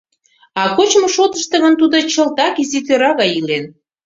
А кочмо шотышто гын тудо чылтак изи тӧра гай илен.